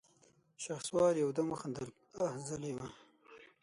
شهسوار يودم وخندل: اه ظالمه!